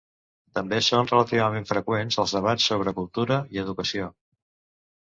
També són relativament freqüents els debats sobre cultura i educació.